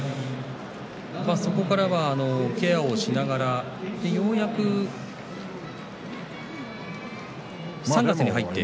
そこからは、ケアをしながらようやく３月に入って。